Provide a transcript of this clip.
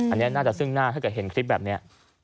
อันนี้น่าจะซึ่งหน้าถ้าเกิดเห็นคลิปแบบนี้